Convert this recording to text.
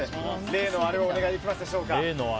例のあれをお願いできるでしょうか。